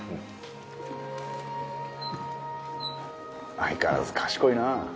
相変わらず賢いな。